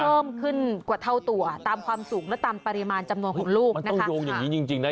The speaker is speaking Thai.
เพิ่มขึ้นกว่าเท่าตัวตามความสูงและตามปริมาณจำนวนของลูกนะคะโยงอย่างงี้จริงจริงนะ